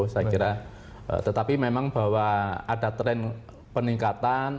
saya kira tetapi memang bahwa ada tren peningkatan